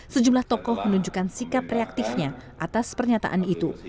sejumlah tokoh menunjukkan sikap reaktifnya atas pernyataan itu